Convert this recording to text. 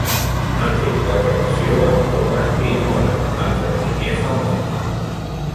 No té cap relació amb Thomas D. Moran, un altre enginyer famós.